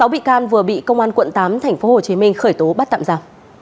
sáu bị can vừa bị công an quận tám tp hcm khởi tố bắt tạm giả